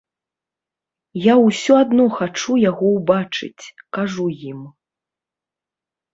Я ўсё адно хачу яго ўбачыць, кажу ім.